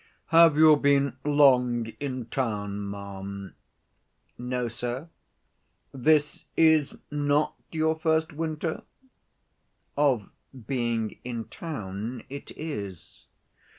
"Have you been long in town, ma'am?" "No, sir." "This is not your first winter?" "Of being in town, it is."